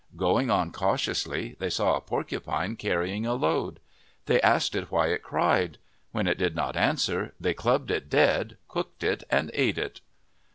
Going on cautiously, they saw a porcupine carrying a load. They asked it why it cried. When it did not answer, they clubbed it dead, cooked it, and ate it.